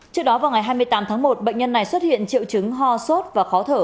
trước đó vào ngày hai mươi tám tháng một bệnh nhân này xuất hiện triệu chứng ho sốt và khó thở